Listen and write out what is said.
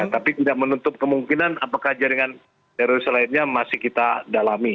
tapi tidak menutup kemungkinan apakah jaringan teroris lainnya masih kita dalami